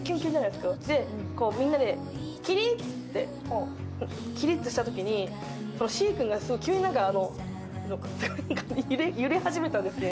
みんなで、起立って起立したときにシー君が急に揺れ始めたんですね。